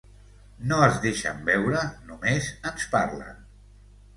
No es deixen veure, només ens parlen...